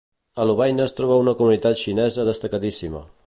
A Lovaina es troba una comunitat xinesa destacadíssima.